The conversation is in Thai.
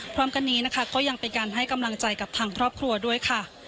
พร้อมกันนี้นะคะก็ยังเป็นการให้กำลังใจกับทางครอบครัวด้วยค่ะ